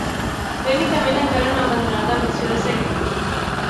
Tècnicament, encara no ha abandonat la missió de seguiment.